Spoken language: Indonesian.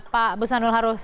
pak bustanul harufi